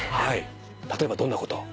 例えばどんなことを？